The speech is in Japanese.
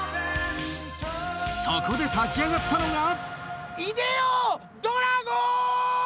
そこで立ち上がったのが。